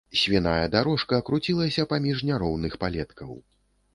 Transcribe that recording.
Свіная дарожка круцілася паміж няроўных палеткаў.